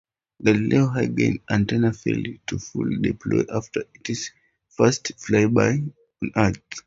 "Galileo" high-gain antenna failed to fully deploy after its first flyby of Earth.